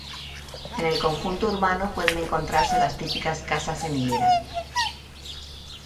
En el conjunto urbano pueden encontrarse las típicas casas en hilera.